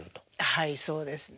はいそうですね。